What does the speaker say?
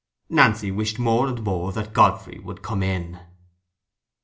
Nancy wished more and more that Godfrey would come in.